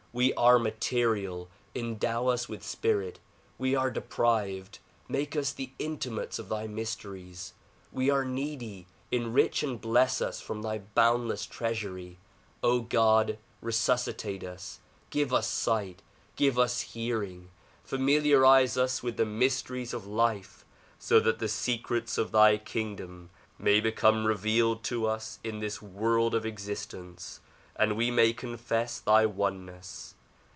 We are material ; endow us with spirit. We are deprived; make us the intimates of thy mys teries. We are needy; enrich and bless us from thy boundless treasury. God! Resusciate us, give us sight, give us hearing. Familiarize us with the mysteries of life, so that the secrets of thy kingdom may become revealed to us in this world of existence and we may confess thy oneness.